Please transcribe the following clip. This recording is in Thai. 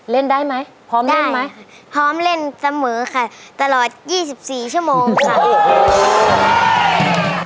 เล่นได้ไหมพร้อมเล่นไหมได้พร้อมเล่นสมมุติค่ะตลอด๒๔ชั่วโมงค่ะโอ้โห